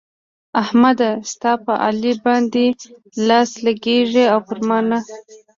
احمده! ستا په علي باندې لاس لګېږي او پر ما نه.